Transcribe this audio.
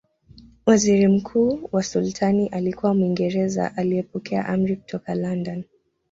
Waziri mkuu wa Sultani alikuwa Mwingereza aliyepokea amri kutoka London